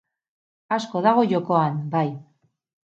Asko dago jokoan, bai.